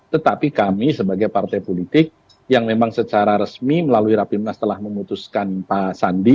tetapi kami sebagai partai politik yang memang secara resmi melalui rapimnas telah memutuskan pak sandi